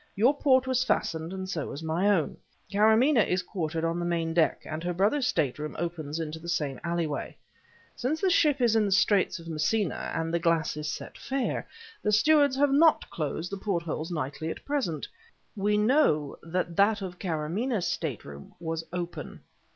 Your port was fastened and so was my own. Karamaneh is quartered on the main deck, and her brother's stateroom opens into the same alleyway. Since the ship is in the Straits of Messina, and the glass set fair, the stewards have not closed the portholes nightly at present. We know that that of Karamaneh's stateroom was open.